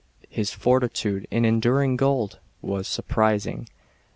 " His fortitude in enduring cold was sur prising.